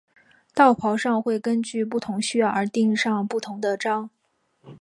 道袍上会根据不同需要而钉上不同的章。